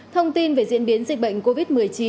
thông tin về diễn biến dịch bệnh covid một mươi chín